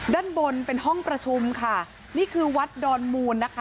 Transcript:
ด้านบนเป็นห้องประชุมค่ะนี่คือวัดดอนมูลนะคะ